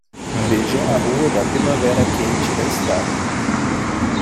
Veja a rua da primavera quente na estrada